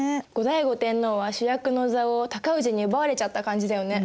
後醍醐天皇は主役の座を尊氏に奪われちゃった感じだよね。